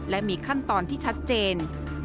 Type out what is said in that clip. และมีขั้นตอนที่ชัดเจน